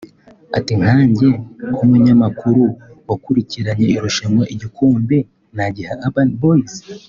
Ati “Nkanjye nk’umunyamakuru wakurikiranye irushanwa igikombe nagiha Urban Boyz